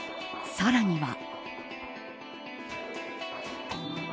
更には。